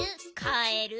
かえる？